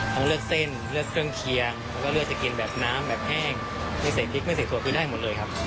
เลือกเส้นเลือกเครื่องเคียงแล้วก็เลือกจะกินแบบน้ำแบบแห้งไม่ใส่พริกไม่ใส่ถัดคือได้หมดเลยครับ